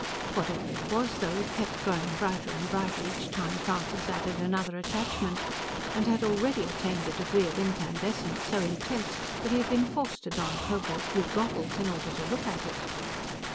Whatever it was, though, it kept growing brighter and brighter each time Francis added another attachment, and had already attained a degree of incandescence so intense that he had been forced to don cobalt blue goggles in order to look at it.